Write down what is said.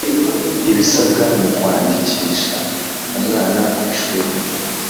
ibisabwa mu kwandikisha umwana kwishuri